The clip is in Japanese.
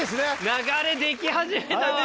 流れでき始めたわ。